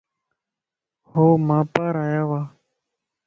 ھو مان پار آيا وا.